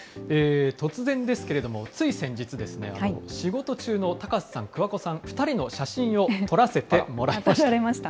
突然ですけれども、つい先日、仕事中の高瀬さん、桑子さん、２人の写真を撮らせてもらいました。